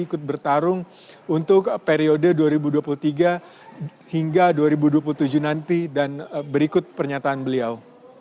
ikut bertarung untuk periode dua ribu dua puluh tiga hingga dua ribu dua puluh tujuh nanti dan berikut pernyataan beliau